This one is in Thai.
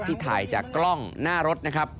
ที่ถ่ายจากกล้องหน้ารถนะครับ